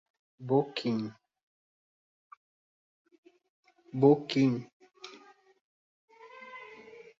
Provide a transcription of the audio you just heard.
Boquim